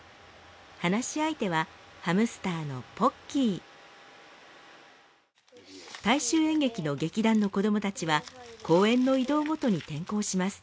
話し相手は大衆演劇の劇団の子どもたちは公演の移動ごとに転校します。